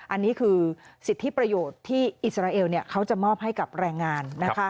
อันนี้คือสิทธิประโยชน์ที่อิสราเอลเขาจะมอบให้กับแรงงาน